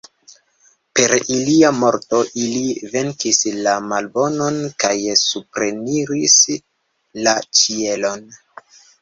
Per ilia morto ili venkis la malbonon kaj supreniris la ĉielon.